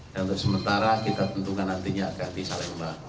dan untuk sementara kita tentukan nantinya akan di salemba